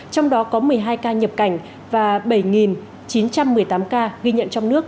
trong đó có một mươi hai ca nhập cảnh và bảy chín trăm một mươi tám ca ghi nhận trong nước